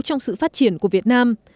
trong sự phát triển của việt nam